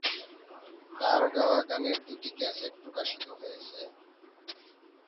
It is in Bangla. তার গাওয়া গানের দুটি ক্যাসেট প্রকাশিত হয়েছে।।